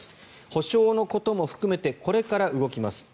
補償のことも含めてこれから動きます。